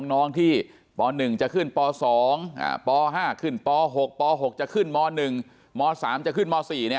น้องที่ป๑จะขึ้นป๒ป๕ขึ้นป๖ป๖จะขึ้นม๑ม๓จะขึ้นม๔